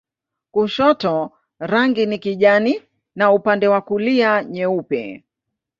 Kushoto rangi ni kijani na upande wa kulia nyeupe.